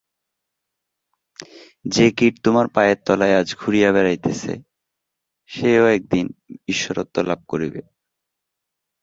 যে কীট তোমার পায়ের তলায় আজ ঘুরিয়া বেড়াইতেছে, সেও একদিন ঈশ্বরত্ব লাভ করিবে।